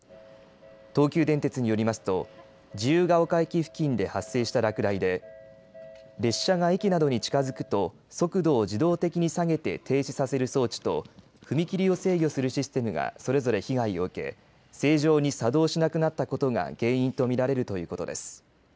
東急電鉄によりますと自由が丘駅付近で発生した落雷で列車が駅などに近づくと速度を自動的に下げて停止させる装置と踏切を制御するシステムがそれぞれ被害を受け正常に作動しなくなったことが原因と見られるということです。